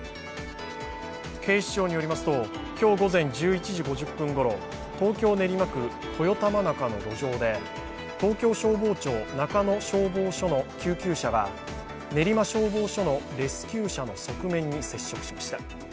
警視庁によりますと、今日午前１１時５０分ごろ東京・練馬区豊玉中の路上で東京消防庁中野消防署の救急車が練馬消防署のレスキュー車の側面に接触しました。